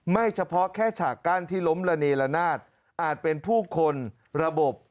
เฉพาะแค่ฉากกั้นที่ล้มระเนละนาดอาจเป็นผู้คนระบบ